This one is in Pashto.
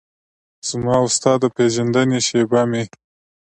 زما او ستا د پیژندنې شیبه مې